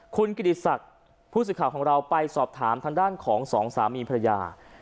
คุณกิติศักดิ์ผู้สื่อข่าวของเราไปสอบถามทางด้านของสองสามีภรรยา